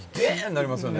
なりますよね